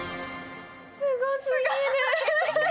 すごすぎる。